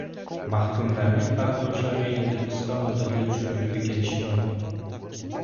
Mahkumlarning qarindoshlari endi qisqa muddatli uchrashuvga kelishi mumkin